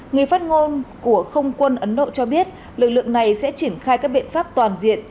người phát ngôn của không quân ấn độ cho biết lực lượng này sẽ triển khai các biện pháp toàn diện